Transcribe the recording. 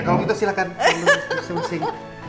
kalau gitu silahkan